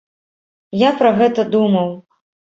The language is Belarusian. Я пра гэта думаў.